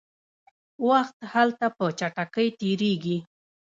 وخت هلته په چټکۍ تیریږي.